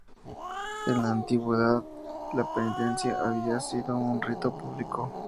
En la antigüedad, la penitencia había sido un rito público.